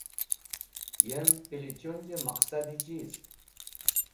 Yem pilichunjẽ maqsadi chiz.